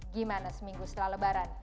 gimana seminggu setelah lebaran